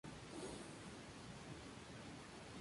Forman parte del movimiento denominado "Avanzada regia".